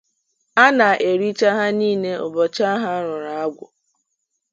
a na-ericha ha niile ụbọchị ahụ a rụrụ agwụ